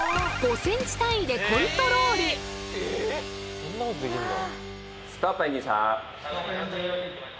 そんなことできんの？